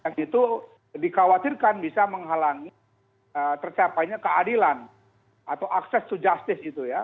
yang itu dikhawatirkan bisa menghalangi tercapainya keadilan atau access to justice itu ya